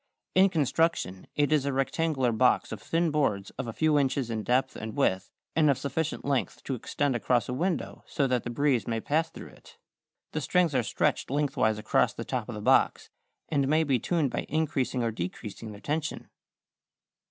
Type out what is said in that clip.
In construction it is a rectangular box of thin boards of a few inches in depth and width and of sufficient length to extend across a window so that the breeze may pass through it. The strings are stretched lengthwise across the top of the box, and may be tuned by increasing or decreasing their tension.